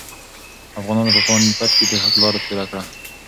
افغانانو په پاني پت کې د حق لاره توره کړه.